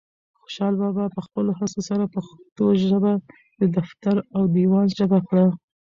خوشحال بابا په خپلو هڅو سره پښتو ژبه د دفتر او دیوان ژبه کړه.